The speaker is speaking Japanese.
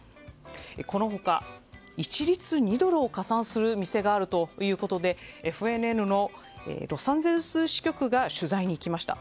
この他、一律２ドルを加算する店があるということでＦＮＮのロサンゼルス支局が取材に行きました。